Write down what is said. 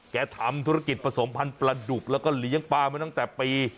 ทำธุรกิจผสมพันธุ์ปลาดุกแล้วก็เลี้ยงปลามาตั้งแต่ปี